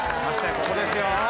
ここですよ。